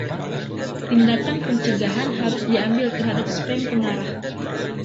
Tindakan pencegahan harus diambil terhadap spam pengarah.